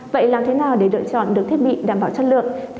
vậy làm thế nào để lựa chọn được thiết bị đảm bảo chất lượng